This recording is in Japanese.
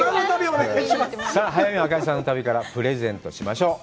さあ、早見あかりさんの旅からプレゼントしましょう。